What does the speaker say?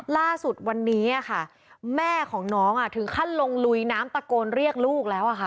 ล่าสุดวันนี้ค่ะแม่ของน้องถึงขั้นลงลุยน้ำตะโกนเรียกลูกแล้วค่ะ